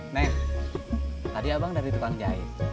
naik tadi abang dari tukang jahit